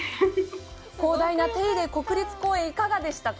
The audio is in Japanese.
広大なテイデ国立公園、いかがでしたか。